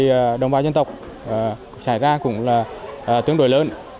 thì đồng bào dân tộc xảy ra cũng là tương đối lớn